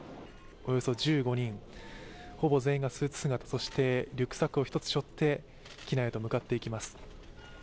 およそ１５人、ほぼ全員がスーツ姿、そしてリュックサック１つしょって機内へと向かって行きます。